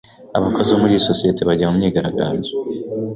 Abakozi bo muri iyo sosiyete bagiye mu myigaragambyo.